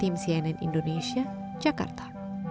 tim cnn indonesia jakarta